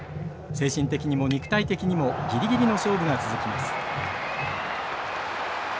精神的にも肉体的にもギリギリの勝負が続きます。